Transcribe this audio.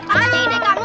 panggil deh kamu